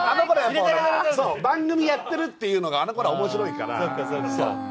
番組やっているというのが、あの子ら、面白いから。